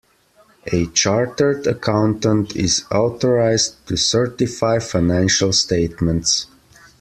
A chartered accountant is authorised to certify financial statements